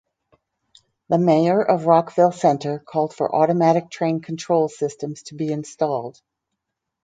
The mayor of Rockville Centre called for automatic train control systems to be installed.